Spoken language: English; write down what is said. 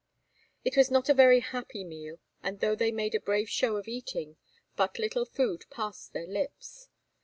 It was not a very happy meal, and, though they made a brave show of eating, but little food passed their lips.